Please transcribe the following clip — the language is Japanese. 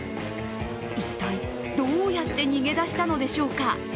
一体どうやって逃げ出したのでしょうか。